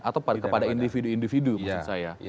atau kepada individu individu maksud saya